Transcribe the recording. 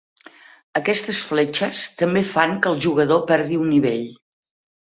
Aquestes fletxes també fan que el jugador perdi un nivell.